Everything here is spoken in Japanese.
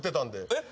えっ？